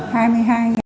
bạn có ngày gì hết